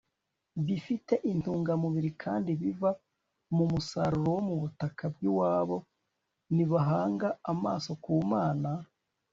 bifite intungamubiri kandi biva mu musaruro wo mu butaka bw'iwabo. nibahanga amaso ku mana